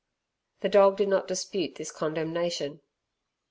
The dog did not dispute this condemnation.